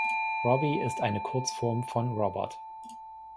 Robby ist eine Kurzform von Robert.